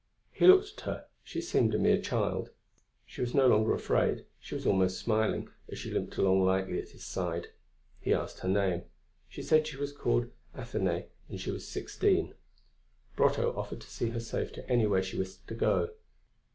He looked at her; she seemed a mere child. She was no longer afraid; she was almost smiling, as she limped along lightly at his side. He asked her her name. She said she was called Athenaïs and was sixteen. Brotteaux offered to see her safe to anywhere she wished to go.